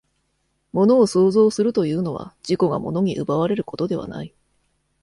物を創造するというのは、自己が物に奪われることではない。